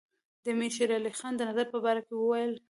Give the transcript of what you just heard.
د امیر شېر علي د نظر په باره کې وویل.